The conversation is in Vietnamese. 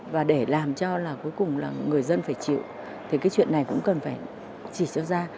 và để làm cho là cuối cùng là người dân phải chịu thì cái chuyện này cũng cần phải chỉ cho ra